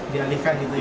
dialihkan gitu ya